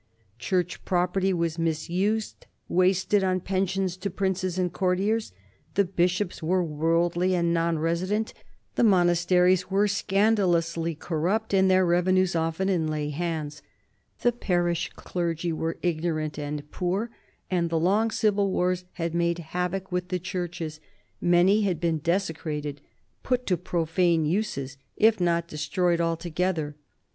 Church property was misused, wasted on pensions to princes and courtiers; the bishops were worldly and non resident, the monasteries were scandalously corrupt, and their revenues often in lay hands ; the parish clergy were ignorant and poor, and the long civil wars had made havoc with the churches ; many had been desecrated, put to profane uses, if not destroyed altogether.